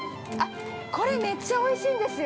これ、めっちゃおいしいんですよ。